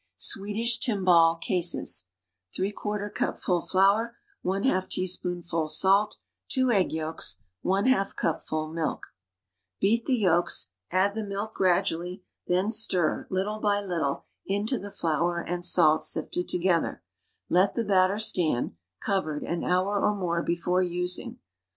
SWEDISH TIMBALE CASES ^4 cupful flour 2 egg yolks Y2 teaspoonful salt J2 cupful milk Beat the yolks; add the milk gradually, then stir, little by little, into the flour and salt sifted together. Let the batter stand, covered, an hour or more be fore using.